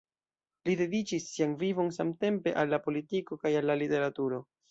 Li dediĉis sian vivon samtempe al la politiko kaj al la literaturo.